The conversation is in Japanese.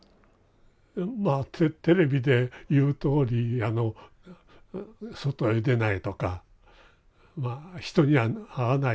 まあテレビで言うとおりあの外へ出ないとか人には会わない。